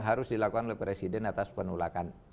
harus dilakukan oleh presiden atas penolakan